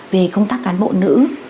về công tác cán bộ nữ